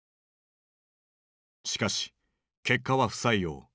しかし結果は不採用。